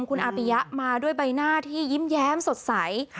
คุณอาปิยะมาด้วยใบหน้าที่ยิ้มแย้มสดใส